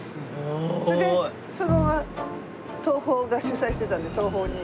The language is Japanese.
それでそのまま東宝が主催してたので東宝に入って。